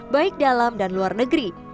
baik dalam dan luar negeri